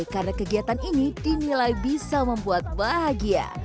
karena kegiatan ini dinilai bisa membuat bahagia